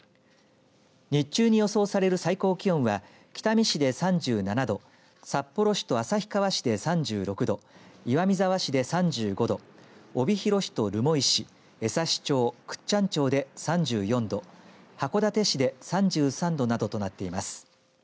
日中に予想される最高気温は北見市で３７度札幌市と旭川市で３６度岩見沢市で３５度帯広市と留萌市江差町、倶知安町で３４度函館市で３３度などとなっています。